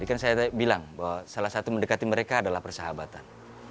ini kan saya bilang bahwa salah satu mendekati mereka adalah persahabatan